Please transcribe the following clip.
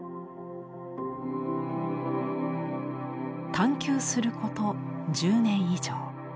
探求すること１０年以上。